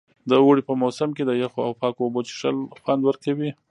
د اوړي په موسم کې د یخو او پاکو اوبو څښل خوند ورکوي.